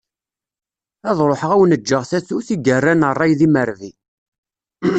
Ad ruḥeγ ad awen-ğğeγ tatut i yerran ṛṛay d imerbi.